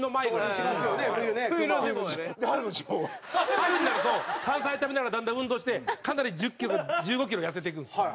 春になると山菜食べながらだんだん運動してかなり１０キロ１５キロ痩せていくんですよ。